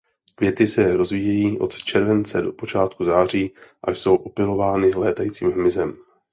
Květy se rozvíjejí od července do počátku září a jsou opylovány létajícím hmyzem.